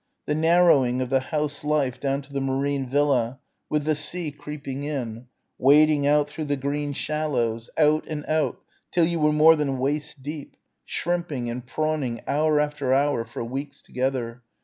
the narrowing of the house life down to the Marine Villa with the sea creeping in wading out through the green shallows, out and out till you were more than waist deep shrimping and prawning hour after hour for weeks together